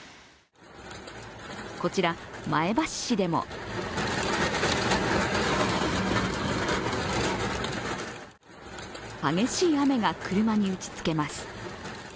こちら前橋市でも激しい雨が車に打ちつけます。